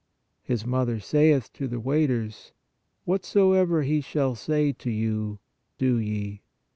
His Mother saith to the waiters : Whatsoever He shall say to you, do ye.